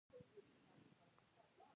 دوی د بشر سختې ستونزې حل کوي.